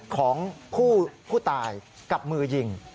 ของผู้ตายกับมือยิง